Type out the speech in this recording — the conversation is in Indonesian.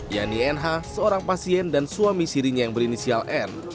yani nh seorang pasien dan suami sirinya yang berinisial n